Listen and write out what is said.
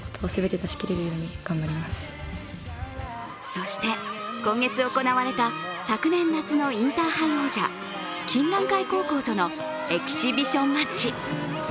そして、今月行われた昨年夏のインターハイ王者、金蘭会高校とのエキシビションマッチ。